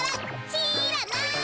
しらない。